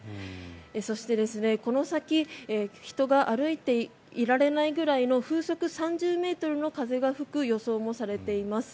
そして、この先人が歩いていられないぐらいの風速３０ｍの風が吹く予想もされています。